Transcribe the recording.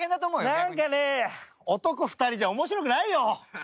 なんかね男２人じゃ面白くないよ！